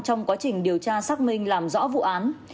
trong quá trình điều tra xác minh làm rõ vụ án